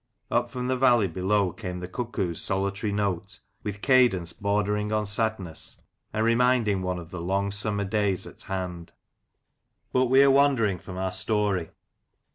Up from the valley below came the cuckoo's solitary note, with cadence bordering on sadness, and reminding one of the long summer days at hand. But we are wandering from our story.